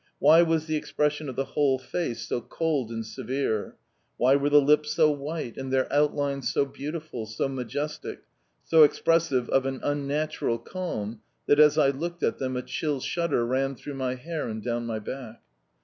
Why was the expression of the whole face so cold and severe? Why were the lips so white, and their outline so beautiful, so majestic, so expressive of an unnatural calm that, as I looked at them, a chill shudder ran through my hair and down my back?